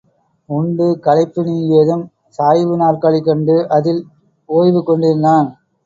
உண்டு களைப்பு நீங்கியதும் சாய்வு நாற்காலி கண்டு அதில் ஒய்வு கொண்டிருந்தான்.